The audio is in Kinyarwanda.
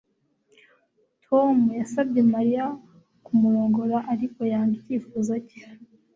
Tom yasabye Mariya kumurongora ariko yanga icyifuzo cye